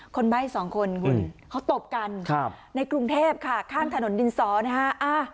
คนไบ้๒คนเขาตบกันในกรุงเทพฯค่ะข้างถนนดินศนะฮะ